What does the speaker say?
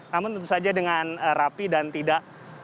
namun tentu saja dengan rapi dan tidak